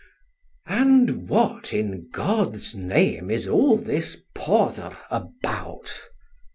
And what, in God's name, is all this pother about?